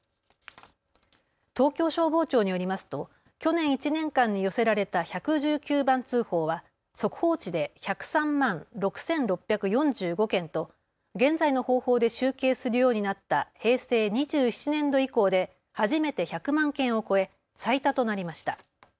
東京消防庁によりますと去年１年間に寄せられた１１９番通報は速報値で１０３万６６４５件と現在の方法で集計するようになった平成２７年度以降で初めて１００万件を超え最多となりました。